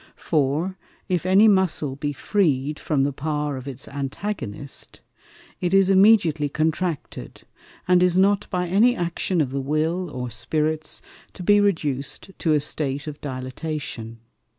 For, if any Muscle be freed from the power of its Antagonist, it is immediately contracted, and is not by any Action of the Will, or Spirits, to be reduced to a State of Dilatation.